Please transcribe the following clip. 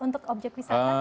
untuk objek wisata